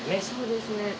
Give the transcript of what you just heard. そうですね。